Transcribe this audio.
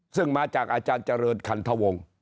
ซึ่งมาจากอาจารย์เจริญคันทวง